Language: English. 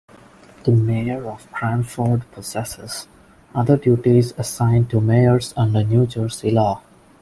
The Mayor of Cranford possesses other duties assigned to mayors under New Jersey law.